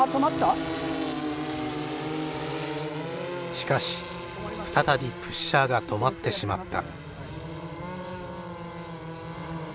しかし再びプッシャーが止まってしまった。